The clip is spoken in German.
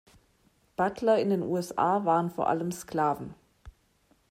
Butler in den U S A waren vor allem Sklaven.